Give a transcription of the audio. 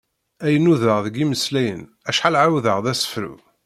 Ay nudaɣ deg imeslayen, acḥal ɛawdeɣ d asefru!